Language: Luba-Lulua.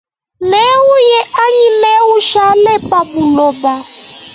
Newuye anyi ne ushale pa buloba.